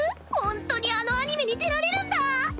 ほんとにあのアニメに出られるんだ！